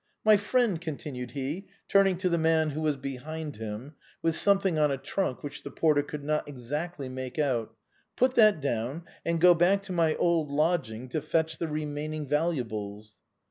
My friend," continued he, turning to the man who was behind him, with some thing on a truck which the porter could not exactly make out, " put that down, and go back to my old lodging to fetch the remaining valuables."